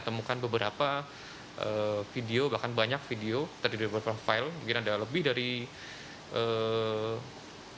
temukan beberapa video bahkan banyak video terdiri profile mungkin ada lebih dari eh